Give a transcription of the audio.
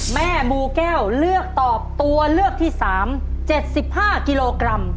แม่บูแก้วเลือกตอบตัวเลือกที่สามเจ็ดสิบห้ากิโลกรัม